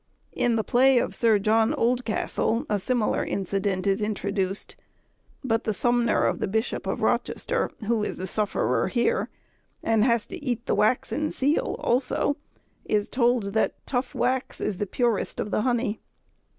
In the play of Sir John Oldcastle, a similar incident is introduced, but the sumner of the Bishop of Rochester, who is the sufferer there, and has to eat the waxen seal also, is told that "tough wax is the purest of the honey."